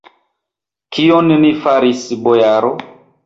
Kion ni faris, bojaro?